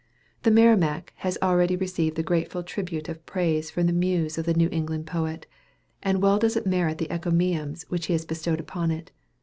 The Merrimac has already received the grateful tribute of praise from the muse of the New England poet; and well does it merit the encomiums which he has bestowed upon it.